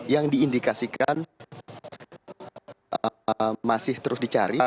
yang diindikasikan masih terus dicari